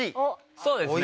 そうですね。